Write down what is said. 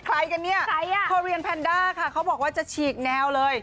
ใครกันเนี่ยพอเรียนแพนด้าค่ะเขาบอกว่าจะฉีกแนวเลย